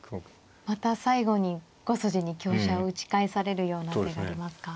また最後に５筋に香車を打ち返されるような手がありますか。